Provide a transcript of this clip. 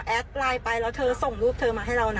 เดี๋ยวเราแอดลายไปแล้วเธอส่งรูปเธอมาให้เรานะ